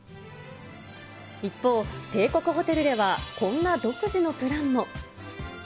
一方、帝国ホテルでは、こんな独自のプランも。